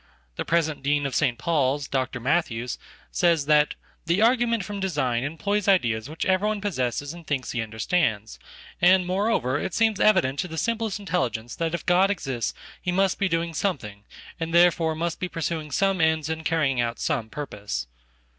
The presentDean of St. Paul's, Dr Matthews, says that "the argument fromdesign employs ideas which everyone possesses and thinks heunderstands; and, moreover, it seems evident to the simplestintelligence that if God exists he must be doing something, andtherefore must be pursuing some ends and carrying out somepurpose."